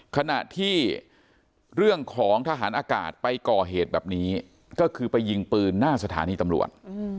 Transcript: ขณะที่เรื่องของทหารอากาศไปก่อเหตุแบบนี้ก็คือไปยิงปืนหน้าสถานีตำรวจ